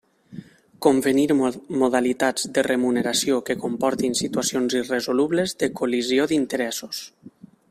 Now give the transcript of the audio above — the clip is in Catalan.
Convenir modalitats de remuneració que comportin situacions irresolubles de col·lisió d'interessos.